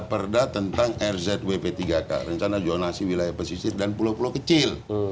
perda tentang rzwp tiga k rencana jonasi wilayah pesisir dan pulau pulau kecil